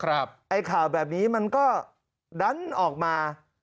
ไอ้ข่าวแบบนี้มันก็ดันออกมา